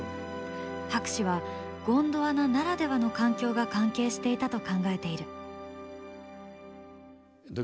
博士はゴンドワナならではの環境が関係していたと考えている。